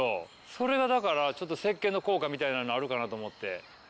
それがだからちょっとせっけんの効果みたいなのあるかなと思って。